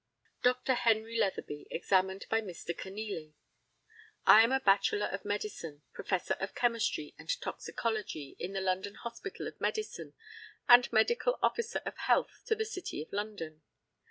Dr. HENRY LETHEBY, examined by Mr. KENEALY: I am a Bachelor of Medicine, Professor of Chemistry and Toxicology in the London Hospital of Medicine, and Medical Officer of Health to the City of London.